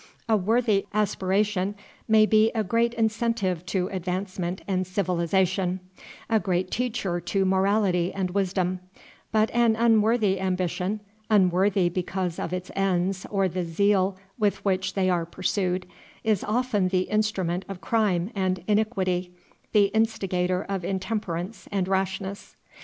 A worthy aspiration may be a great incentive to advancement and civilization, a great teacher to morality and wisdom; but an unworthy ambition, unworthy because of its ends or the zeal with which they are pursued, is often the instrument of crime and iniquity, the instigator of intemperance and rashness.